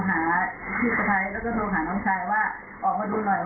ป้ายก็ไม่เห็นแล้วก็ถ้าเป็นหมาก็อาจจะไม่ตาย